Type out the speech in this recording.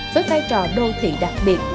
với vai trò đô thị đặc biệt